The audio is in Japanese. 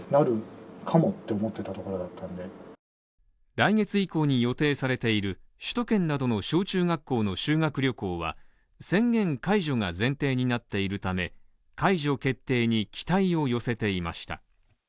来月以降に予定されている首都圏などの小中学校の修学旅行は宣言解除が前提になっているため、解除決定に期待を寄せていました。